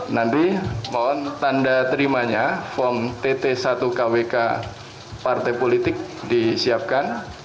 nanti mohon tanda terimanya form tt satu kwk partai politik disiapkan